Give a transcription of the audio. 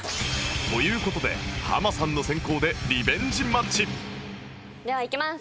という事でハマさんの先攻でリベンジマッチではいきます。